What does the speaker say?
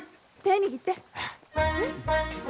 手握って。